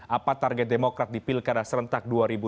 apa target demokrat di pilkara serentak dua ribu dua puluh